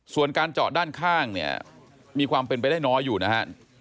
ส่วนการเจาะด้านข้างเนี่ยมีความเป็นไปได้น้อยอยู่นะฮะ